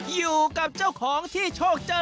อยู่กับเจ้าของที่โชคเจอ